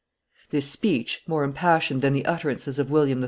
This speech, more impassioned than the utterances of William III.